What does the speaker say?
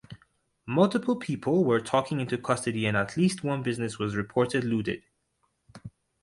Multiple people were taking into custody and at least one business was reported looted.